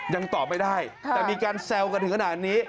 ยังตอบไม่ได้แต่มีการแซวกันถึงขนาดนี้